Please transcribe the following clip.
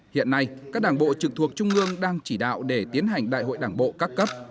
hiện nay các đảng bộ trực thuộc trung ương đang chỉ đạo để tiến hành đại hội đảng bộ các cấp